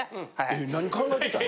え何考えてたん？